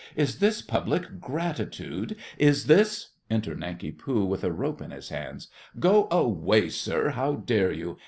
Is this public gratitude? Is this— (Enter Nanki Poo, with a rope in his hands.) Go away, sir! How dare you?